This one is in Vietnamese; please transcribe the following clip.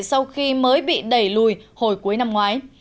sau khi mới bị đẩy lùi hồi cuối năm ngoái